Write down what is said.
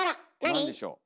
何でしょう？